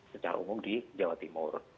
secara umum di jawa timur